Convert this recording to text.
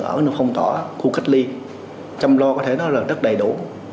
ở nó phong tỏa khu cách ly chăm lo có thể nói là rất đầy đủ